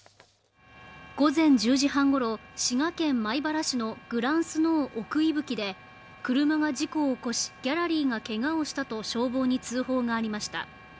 午前１０時半ごろ、滋賀県米原市のグランスノー奥伊吹で車が事故を起こしギャラリーがけがをしたと消防に通報がありました。